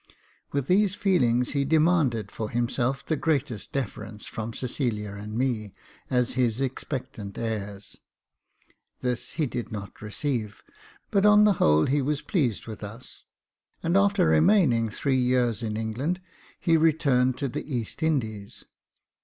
With these feelings he demanded for himself the greatest defer ence from Cecilia and me, as his expectant heirs. This he did not receive ; but on the whole he was pleased with us, and after remaining three years in England, he returned to the East Indies.